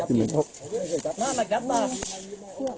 เหลืองเท้าอย่างนั้น